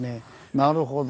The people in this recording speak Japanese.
なるほど。